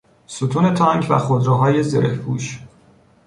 ستون تانک و خودروهای زرهپوش